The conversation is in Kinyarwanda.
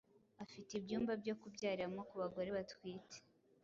afite ibyumba byo kubyariramo ku bagore batwite